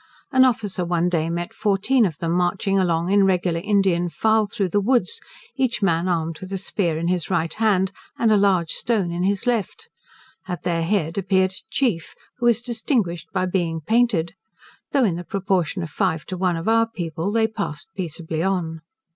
An officer one day met fourteen of them marching along in a regular Indian file through the woods, each man armed with a spear in his right hand, and a large stone in his left: at their head appeared a chief, who was distinguished by being painted. Though in the proportion of five to one of our people they passed peaceably on.